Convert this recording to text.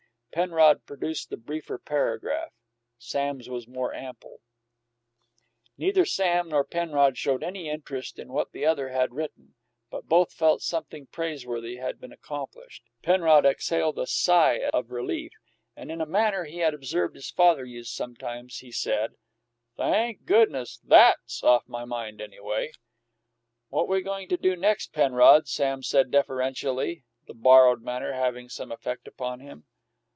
Penrod produced the briefer paragraph. (See Fig. I.) Sam's was more ample. (See Fig. II.) [Illustration: FIG I] [Illustration: FIG II] Neither Sam nor Penrod showed any interest in what the other had written, but both felt that something praiseworthy had been accomplished. Penrod exhaled a sigh, as of relief, and, in a manner he had observed his father use sometimes, he said: "Thank goodness, that's off my mind, anyway!" "What we goin' do next, Penrod?" Sam asked deferentially, the borrowed manner having some effect upon him.